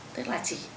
tức là chỉ